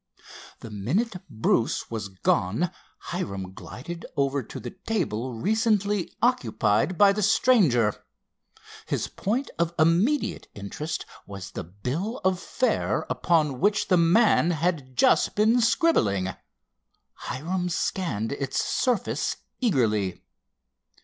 The minute Bruce was gone Hiram glided over to the table recently occupied by the stranger. His point of immediate interest was the bill of fare upon which the man had just been scribbling—Hiram scanned its surface eagerly.